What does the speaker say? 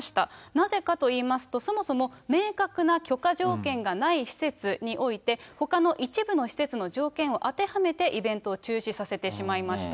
なぜかといいますと、そもそも明確な許可条件がない施設において、ほかの一部の施設の条件を当てはめてイベントを中止させてしまいました。